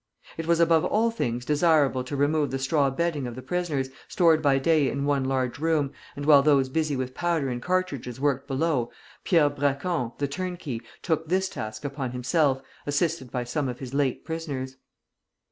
It was above all things desirable to remove the straw bedding of the prisoners, stored by day in one large room, and while those busy with powder and cartridges worked below, Pierre Braquond, the turnkey, took this task upon himself, assisted by some of his late prisoners.